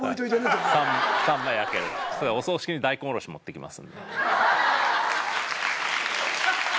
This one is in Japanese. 「さんま焼ける」お葬式に大根おろし持ってきます。